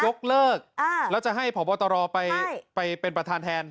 ยกเลิกแล้วจะให้พบตรไปเป็นประธานแทน